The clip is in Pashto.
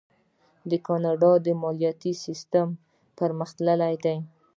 د کاناډا مالیاتي سیستم پرمختللی دی.